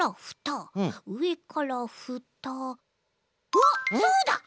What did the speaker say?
わっそうだ！